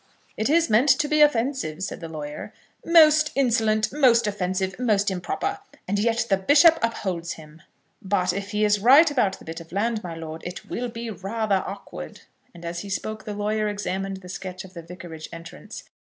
"It is meant to be offensive," said the lawyer. "Most insolent, most offensive, most improper! And yet the bishop upholds him!" "But if he is right about the bit of land, my lord, it will be rather awkward." And as he spoke, the lawyer examined the sketch of the vicarage entrance.